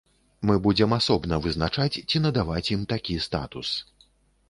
Мы будзем асобна вызначаць, ці надаваць ім такі статус.